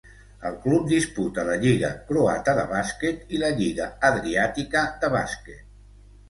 El club disputa la lliga croata de bàsquet i la lliga Adriàtica de bàsquet.